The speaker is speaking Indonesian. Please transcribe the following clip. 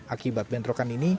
akibat bentrokan ini